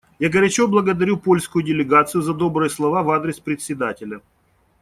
Я горячо благодарю польскую делегацию за добрые слова в адрес Председателя.